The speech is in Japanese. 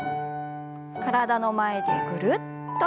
体の前でぐるっと。